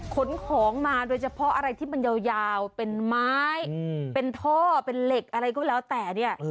ขนของมาโดยเฉพาะอะไรที่มันยาวเป็นไม้เป็นท่อเป็นเหล็กอะไรก็แล้วแต่เนี่ย